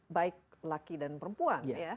baik laki dan perempuan